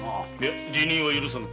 辞任は許さぬ。